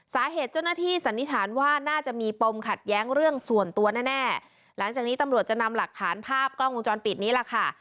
สาเหตุเจ้าหน้าที่สันนิษฐานว่าน่าจะมีปมขัดแย้งเรื่องส่วนตัวแน่แน่หลังจากนี้ตำรวจจะนำหลักฐานภาพกล้องวงจรปิดนี้ล่ะค่ะ